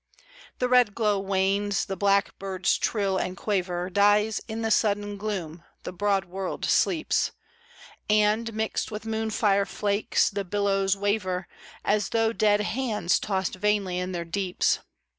The red glow wans, the blackbird's trill and quaver Dies in the sudden gloom, the broad world sleeps; And, mixed with moon fire flakes, the billows waver, As though dead hands tossed vainly in their deeps.